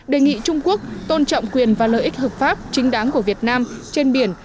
đề nghị trung quốc tôn trọng quyền và lợi ích hợp pháp chính đáng của việt nam trên biển